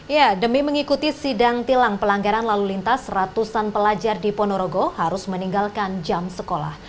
ya demi mengikuti sidang tilang pelanggaran lalu lintas ratusan pelajar di ponorogo harus meninggalkan jam sekolah